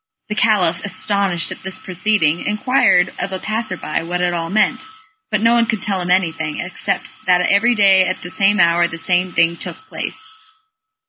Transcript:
The Caliph, astonished at this proceeding, inquired of a passer by what it all meant, but no one could tell him anything, except that every day at the same hour the same thing took place.